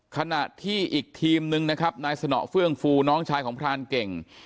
ขณะที่อีกทีมนึงนะครับนายสนอเฟื่องฟูน้องชายของพรานเก่ง